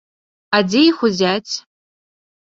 А дзе іх узяць?